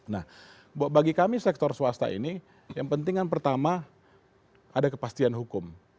nah bagi kami sektor swasta ini yang penting kan pertama ada kepastian hukum